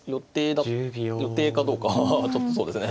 予定かどうかはちょっとそうですね